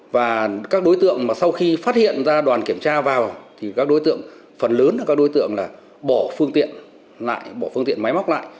và các đối tượng mà sau khi phát hiện ra đoàn kiểm tra vào thì các đối tượng phần lớn là các đối tượng bỏ phương tiện máy móc lại